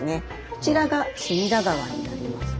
こちらが隅田川になります。